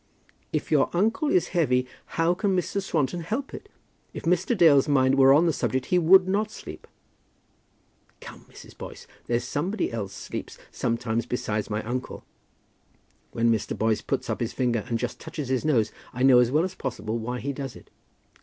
"If your uncle is heavy, how can Mr. Swanton help it? If Mr. Dale's mind were on the subject he would not sleep." "Come, Mrs. Boyce; there's somebody else sleeps sometimes besides my uncle. When Mr. Boyce puts up his finger and just touches his nose, I know as well as possible why he does it."